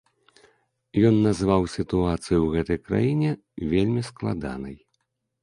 Ён назваў сітуацыю ў гэтай краіне вельмі складанай.